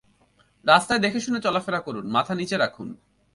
রাস্তায় দেখেশুনে চলাচল করুন, মাথা নিচে রাখুন!